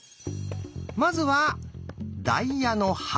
まずは「ダイヤの８」。